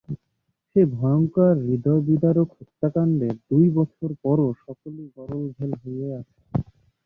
সেই ভয়ংকর হূদয়বিদারক হত্যাকাণ্ডের দুই বছর পরও সকলই গরল ভেল হয়েই আছে।